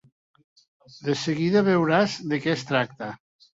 De seguida veuràs de què es tracta.